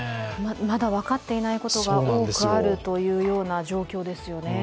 まだ分かっていないことが多くあるというような状況ですよね。